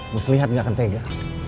mus lihat nggak kentega